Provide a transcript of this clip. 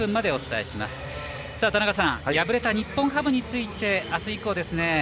敗れた日本ハムについてあす以降ですね